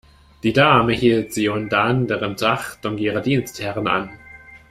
Die Dame hielt sie unter anderem zur Achtung ihrer Dienstherren an.